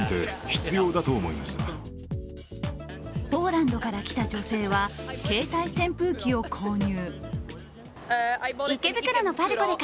ポーランドから来た女性は携帯扇風機を購入。